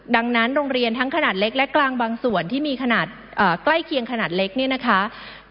ดังนั้นโรงเรียนทั้งขนาดเล็กและกลางบางส่วนที่มีขนาดใกล้เคียงขนาดเล็กเนี่ยนะคะ